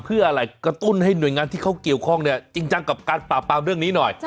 เพื่ออะไรกระตุ้นให้หน่วยงานที่เขาเกี่ยวข้องเนี่ยจริงจังกับการปราบปรามเรื่องนี้หน่อย